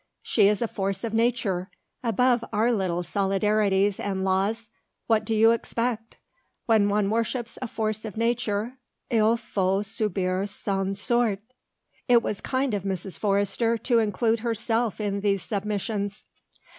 She is a force of nature, above our little solidarities and laws. What do you expect? When one worships a force of nature, il faut subir son sort." It was kind of Mrs. Forrester to include herself in these submissions.